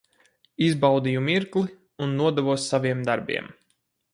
Izbaudīju mirkli un nodevos saviem darbiem.